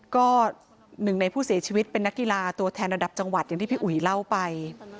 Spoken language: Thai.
ก็หนึ่งในผู้เสียชีวิตเป็นนักกีฬาตัวแทนระดับจังหวัดอย่างที่พี่อุ๋ยเล่าไป